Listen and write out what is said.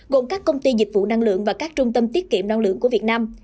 gồm các công ty dịch vụ năng lượng và các trung tâm tiết kiệm năng lượng của việt nam